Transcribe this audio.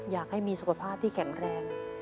อยากให้มีสุขภาพที่แข็งแรง